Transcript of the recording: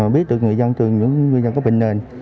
biết được người dân từ những người dân có bệnh nền